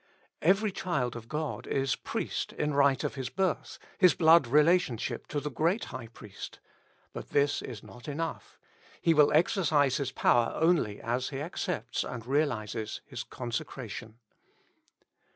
Every child of God is priest in right of his birth, his blood relationship to the Great High Priest ; but this is not enough, he will exer cise his power only as he accepts and realizes his consecration.